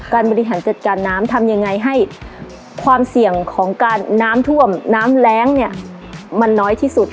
บริหารจัดการน้ำทำยังไงให้ความเสี่ยงของการน้ำท่วมน้ำแรงเนี่ยมันน้อยที่สุด